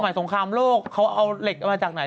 สงครามโลกเขาเอาเหล็กมาจากไหน